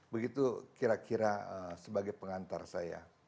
begitu kira kira sebagai pengantar saya